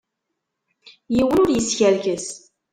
Yiwen ur yeskerkes.